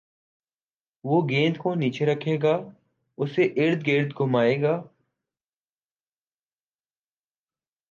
وہ گیند کو نیچے رکھے گا اُسے اردگرد گھمائے گا